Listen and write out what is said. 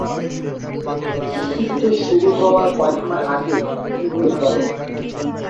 মুক্তিযুদ্ধ শুরু হওয়ার কয়েক মাস আগে তিনি বিয়ে করেন।